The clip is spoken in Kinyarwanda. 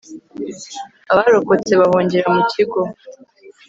abarokotse bahungira mu kigo